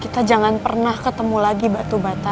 kita jangan pernah ketemu lagi batu bata